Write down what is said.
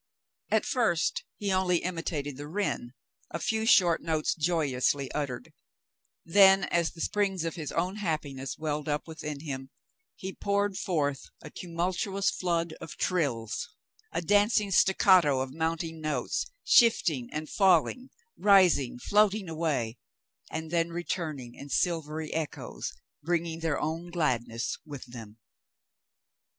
At first he only imitated the wren, a few short notes joyously uttered ; then, as the springs of his own happiness welled up within him, he poured forth a tumultuous flood of trills — a dancing staccato of mounting notes, shifting and falling, rising, floating away, and then returning in silvery echoes, bringing their own gladness with them.